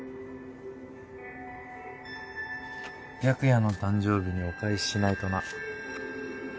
白夜の誕生日にお返ししないとな。